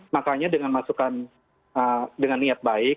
makanya dengan masukan dengan niat baik